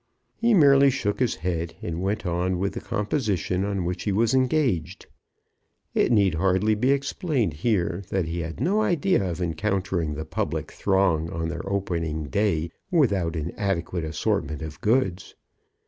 He merely shook his head, and went on with the composition on which he was engaged. It need hardly be explained here that he had no idea of encountering the public throng on their opening day, without an adequate assortment of goods.